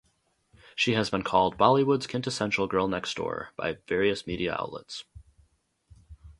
She has been called "Bollywood's quintessential girl next-door" by various media outlets.